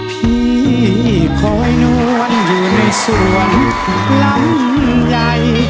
พี่คอยนวลอยู่ในสวนลำใหญ่